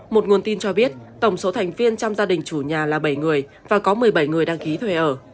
một nguồn tin cho biết tổng số thành viên trong gia đình chủ nhà là bảy người và có một mươi bảy người đăng ký thuê ở